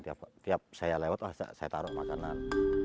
tiap saya lewat saya taruh makanan